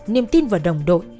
niềm tin vào đồng đội